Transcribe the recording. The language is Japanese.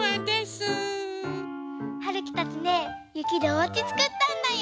るきたちねゆきでおうちつくったんだよ！